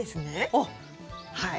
おっはい。